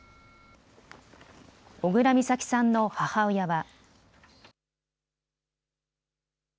小倉美咲さんの母親は。